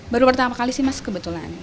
baru pertama kali sih mas kebetulan